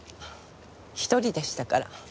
一人でしたから。